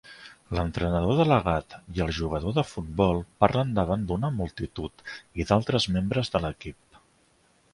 L'entrenador delegat i el jugador de futbol parlen davant d'una multitud i d'altres membres de l'equip.